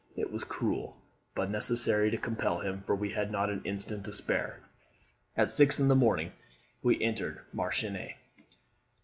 It was cruel, but necessary to compel him, for we had not an instant to spare. At six in the morning we entered Marchiennes.